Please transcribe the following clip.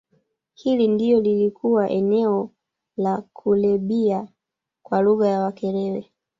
Hili ndilo lilikuwa eneo la Kulebhiya kwa lugha ya Wakerewe